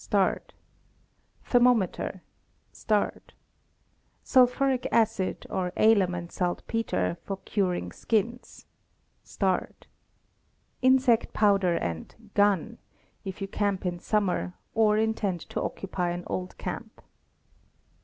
♦Thermometer. ♦Sulphuric acid, or alum and saltpeter, for curing skins. 'Insect powder and "gun," if you camp in summer, or intend to occupy an old camp.